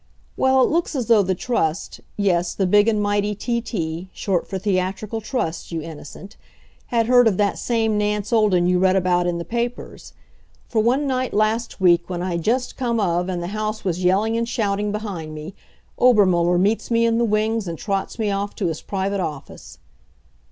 Well, it looks as though the Trust yes, the big and mighty T. T. short for Theatrical Trust, you innocent had heard of that same Nance Olden you read about in the papers. For one night last week, when I'd just come of and the house was yelling and shouting behind me, Obermuller meets me in the wings and trots me of to his private office.